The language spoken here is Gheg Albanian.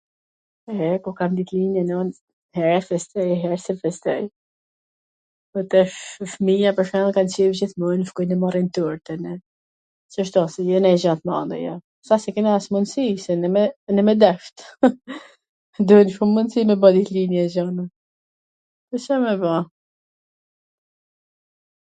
E, kur kam ditlindjen un, her e festoj her s e festoj, po tash fmija pwr shembull kan qejf gjithmon edhe shkojn e marrin turtwn, qashtu, jo nonj gja t madhe, jo, s a se kena edhe mundsi, se edhe me dasht, duhen shum mundsi me ba ditlindje e gjana, po Ca me ba!